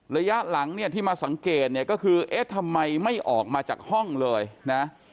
ระยะหลังเนี่ยที่มาสังเกตเนี่ยก็คือเอ๊ะทำไมไม่ออกมาจากห้องเลยนะ